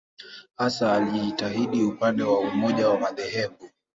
Hasa alijitahidi upande wa umoja wa madhehebu.